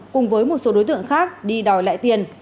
cùng với một số đối tượng khác đi đòi lại tiền